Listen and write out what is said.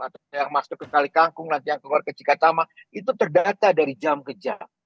atau yang masuk ke kali kangkung nanti yang keluar ke cikatama itu terdata dari jam ke jam